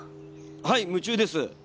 はい夢中です！